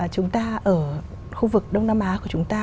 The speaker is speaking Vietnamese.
chúng ta ở khu vực đông nam á của chúng ta